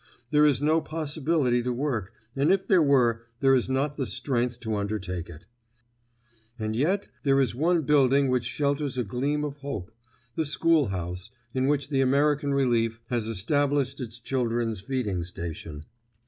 There is no possibility to work; and if there were, there is not the strength to undertake it. And yet there is one building which shelters a gleam of hope—the school house in which the American Relief has established its children's feeding station.